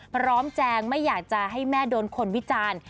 แจงไม่อยากจะให้แม่โดนคนวิจารณ์